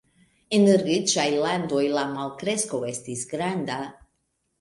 En riĉaj landoj la malkresko estis granda.